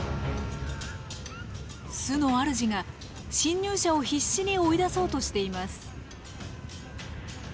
巣の主が侵入者を必死に追い出そうとしています。